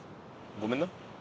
ごめんな。